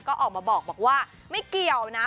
ก็ออกมาบอกว่าไม่เกี่ยวนะ